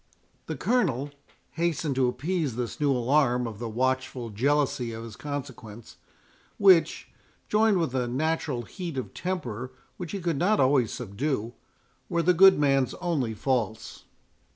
The Colonel hastened to appease this new alarm of the watchful jealousy of his consequence, which, joined with a natural heat of temper which he could not always subdue, were the good man's only faults.